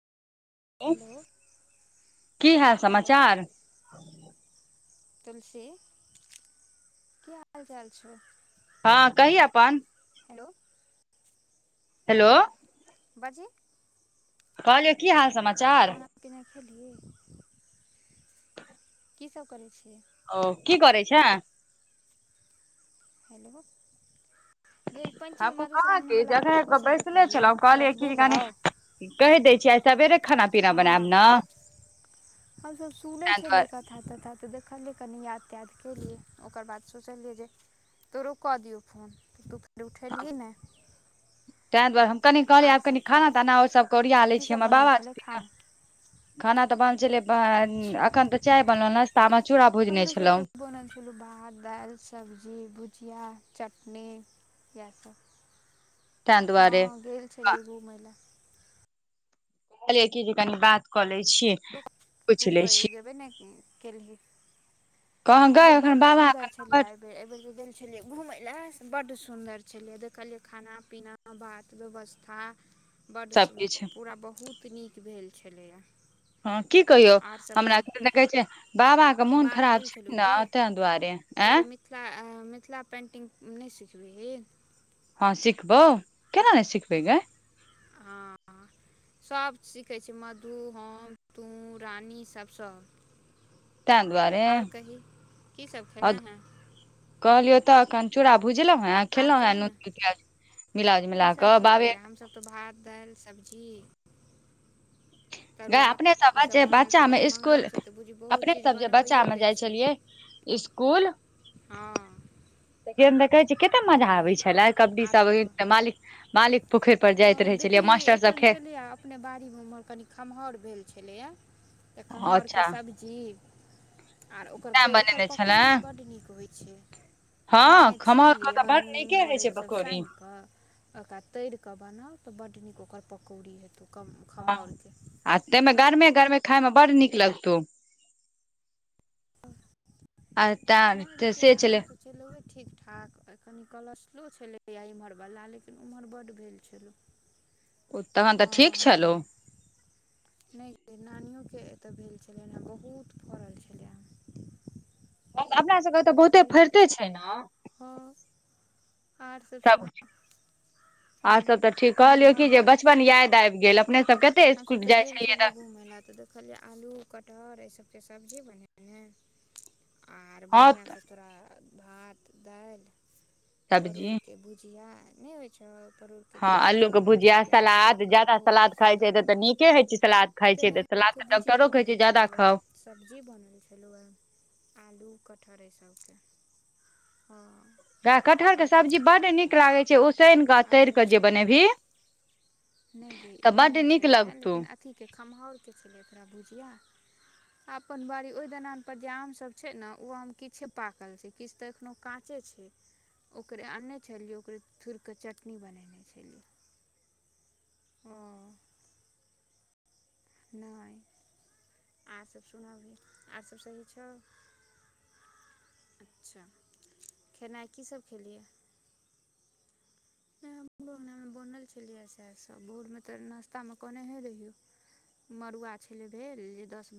Hello की हाल hello समाचार तुलसी की हाल चाल छौ, हँ कहि अपन। हेलो। हेलो। बाजही। कहलियौ की हाल समाचार? पना खेलिए। की सब करै छियै? ओ की करै छ? हेलो [unintelligible] ये पञ्चमी हमहूँ कहाँ की मधुश्रावणीवला जगह पर कतहोसभ बैसले देखलियै छलहुँ याद त कहलियै याद कि कनि भेलौ। कहि दै छियै आ सबेरे खाना पीना बनायब हँ ने ता दुआरे। था तथााते देखलियै कनि याद त्याग केलियै ओकर बाद सोचल रियै जे तोरो कऽ दियौ फोन तू फेर उठेलही ने। तैहि दुआरे हम कनि कहलियै आर आब सब कनि खाना कही ताना आरसभके ओरिया लै की छीिय सब हमर बनल बाबा अ छलै छथिन ने। खाना खाना तऽ बन छलै अच्छा एखन तऽ चाय बनल नाश्ता। हमरो सबके बनल छै। चोल भात दालि सब्जी भुजआ चटनी इएह सब ताहि हँ दुआरे गेल छलियै घुमय लए। कहलिय एकी ज क बात कऽ ले छियै। तू कयगे भै ने केलही कह ग गय एखन बड बाबा सुन्दर एखन छलिये बर ए बेर के गेल छलिये घूमे ले से बड सुंदर छलिये देखलिये खाना पीना। बात व्यवस्था बड्ड सब किछ सुन्दर पूरा बहुत नीक भेल छलैया। हँ की कहियौ हमरा देखै छ बाबा। मोन बात भेल खराब छलौ छै न की तै दआरे आँ। कहलहुँ मिथिला अ मिथिला पेन्टिंग नहि सिखबैी। हँ सिखबौ केना नहि सिखबै गे। हँ-हँ। सभ सीखै छै मधु, हम, तू, रानीसभ सभ ताहि दुआरे आओर कही कीसभ आ खेलनि हेँ? कहलियौ तऽखन चूराा भुजलहुँ हे आर खेलहुं हे कही [unintelligible] न। ने मिलाज मिल की सब कऽ बाबे। खेलियै हमसब तऽ भात दालि सब्जी। ग तरुआ अपने सब ई जे बनल बच्चा छलै मे आइ इसकुल मंगल छै तऽ बुझी बहुत अपने चीज सब जे बच्चा मे बनबैयोके जाइ छै छलियै। इसकुल। हँ। त के कह [unintelligible] कते मजा नहि आबै छलै कबड्डी आर सब कह मालिक मालिक पोखरि पर जाइत रहै छलियै मास्टर सब ख बारी मे हमर कनी खमहर भेल छलिय तऽ खमहर के अच्छा सब् जीव आरो। तें ओकर ओकर बनेने छले पकौड़ी बड्ड नीक होइ छै एनाह। हँ खमहौर के तऽ खिरा बड़ नून नीके होइ छै होरैत सब पकौड़ी सायन क ओकरा तर कऽ बनाउ तऽ बड्ड नीक ओकर पकौड़ी हेतौ हँ खमहाउरके। आ तमे हम तऽ गरमे गरमे खायइमे बड़ नीक लगतौ। [unintelligible] आ त से छल। चलौबे ठीक ठाक कनि कलशलो छलैा एमहरवला लेकिन ओम्हर बड्ड भेल छलौ। ओ तहन तऽ हँ ठीक हँ छलौ। नहि नानियोके एतय भेल छलै हेँ बहुत फड़ल छलै हे। अपना सबके तऽ बहुते फरिते छै ने। ह आर सब सुना। आर सब त ठीक कोनो कहलियौ नव की जे बात बचपन याद आबि गेल अपने सबके कते इसकुल जाइ छलीए त त देखलियै आलू कटहर एय सबके सब्जी बनेने आर हँ बढ़ियाँ सँ तोरा भात दालि सब्जी परोरके भुजिया नय होइ छौ परोर के हँ अल्लू के भुजिया, सलाद जादा बहुत सलाद नीकसँ खाय छैय त तरलहुँ नीके होइ छैय सलाद खाइ छैय त सलाद तेनाहिके त भुजिया डॉक्टरो कहै छैय बनल जादा छलहुए खाऊ। सब्जी बनल छलौए आलू कटहर एय सबके। हँ। वए कटहरके आओर सब्जी कही बड्ड नीक लागै छैय उसैन कऽ आओर तैर कऽ जे बनेबही। नय यै तऽ एहेन बड्ड नय नीक छलैए लगतौ लेकिन अथी के खम्हाउर के छलै एकरा भुजिया। अपन बाड़ी ओय दलान पर जे आम सब छैय ने उ आम किछे पाकल छैय। किछ त एखनो काँचे छैय। ओकरे अनने छलियै ओकरे थुरिकऽ चटनी बनेने छलियै। हँ। नय आर सभ सुनबही आर सभ सही छौ। अच्छा खेनाइ की सभ खेलियै। नय हमरो अंगना मे बनल छलियै सेह सब भोरमे त नास्ता मे कहनेहे रहियौ। मड़ुआ छलै भेल जे दस